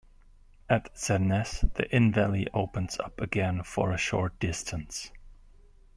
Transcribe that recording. At Zernez, the Inn valley opens up again for a short distance.